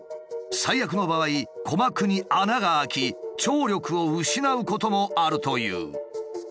最悪の場合鼓膜に穴が開き聴力を失うこともあるという。